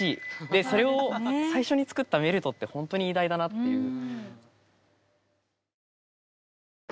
でそれを最初に作った「メルト」ってほんとに偉大だなっていう。